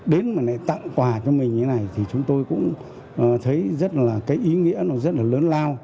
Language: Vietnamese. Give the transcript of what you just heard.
đến mà lại tặng quà cho mình như thế này thì chúng tôi cũng thấy rất là cái ý nghĩa nó rất là lớn lao